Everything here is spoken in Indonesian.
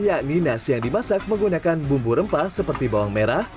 yakni nasi yang dimasak menggunakan bumbu rempah seperti bawang merah